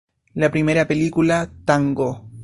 La primera película "¡Tango!